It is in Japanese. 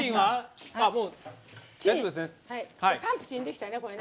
パンプチンはできたね。